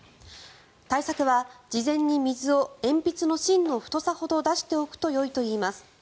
対策は、事前に水を鉛筆の芯の太さほど出しておくとよいといいます。